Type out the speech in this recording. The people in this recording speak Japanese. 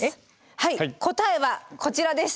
はい答えはこちらです。